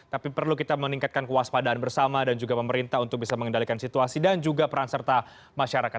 tapi perlu kita meningkatkan kewaspadaan bersama dan juga pemerintah untuk bisa mengendalikan situasi dan juga peran serta masyarakat